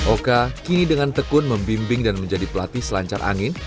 oka kini dengan tekun membimbing dan menjadi pelatih selancar angin